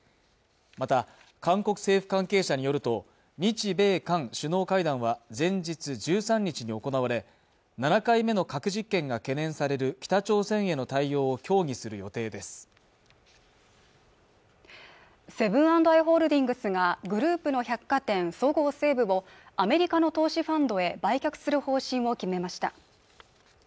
また韓国政府関係者によると日米韓首脳会談は前日１３日に行われ７回目の核実験が懸念される北朝鮮への対応を協議する予定ですセブン＆アイ・ホールディングスがグループの百貨店そごう・西武をアメリカの投資ファンドへ売却する方針を決めました